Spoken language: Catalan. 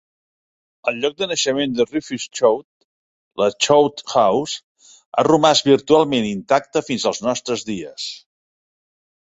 El lloc de naixement de Rufus Choate, la Choate House, ha romàs virtualment intacte fins els nostres dies.